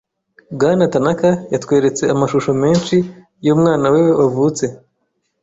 Bwana Tanaka yatweretse amashusho menshi yumwana we wavutse.